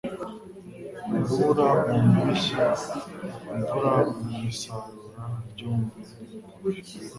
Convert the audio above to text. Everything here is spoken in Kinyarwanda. Urubura mu mpeshyi imvura mu isarura byombi ntibikwiye